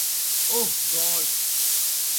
ওহ, god.